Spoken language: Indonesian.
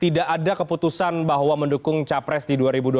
tidak ada keputusan bahwa mendukung capres di dua ribu dua puluh